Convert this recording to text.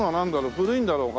古いんだろうか？